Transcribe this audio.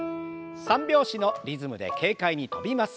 三拍子のリズムで軽快に跳びます。